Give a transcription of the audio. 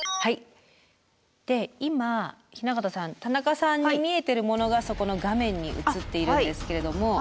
で今雛形さん田中さんに見えてるものがそこの画面に映っているんですけれども。